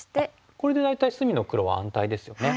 これで大体隅の黒は安泰ですよね。